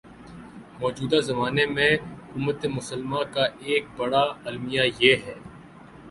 موجودہ زمانے میں امتِ مسلمہ کا ایک بڑا المیہ یہ ہے